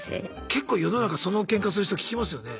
結構世の中そのけんかする人聞きますよね。